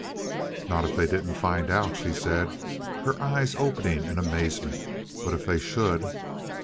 "Not if they didn't find out," she said, her eyes opening in amazement. "But if they should!"